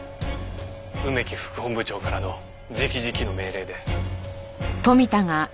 梅木副本部長からの直々の命令で。